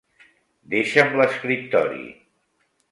Deixa'm l'escriptori.